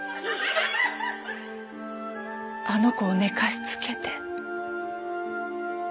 あの子を寝かしつけて。